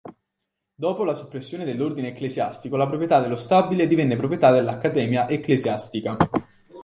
Dopo la soppressione dell'ordine ecclesiastico la proprietà dello stabile divenne proprietà dell'Accademia Ecclesiastica.